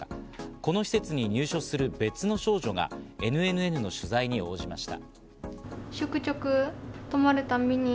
この施設に入所する別の少女がＮＮＮの取材に応じました。